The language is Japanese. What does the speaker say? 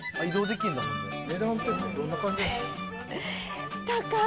値段とかって、どんな感じなんですか。